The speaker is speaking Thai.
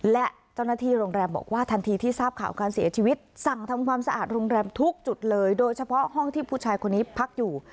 และเจ้าหน้าที่โรงแรมบอกว่าทันทีที่ทราบข่าวการเสียชีวิตสั่งทำความสะอาดโรงแรมทุกจุดเลยโดยเฉพาะห้องที่ผู้ชายคนนี้พักอยู่